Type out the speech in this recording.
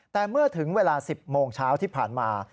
แต่เมื่อถึงเวลา๑๐โมงเช้าที่ผ่านมา